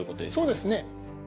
そうですね。